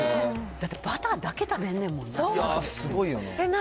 だって、バターだけ食べねんもんな。